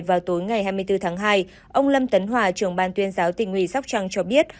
vào tối ngày hai mươi bốn tháng hai ông lâm tấn hòa trưởng ban tuyên giáo tỉnh ủy sóc trăng cho biết